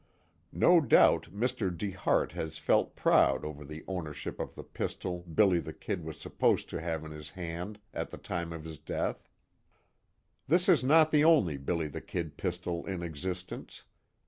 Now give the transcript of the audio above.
No doubt Mr. DeHart has felt proud over the ownership of the pistol "Billy the Kid" was supposed to have in his hand at the time of his death. This is not the only "Billy the Kid" pistol in existence.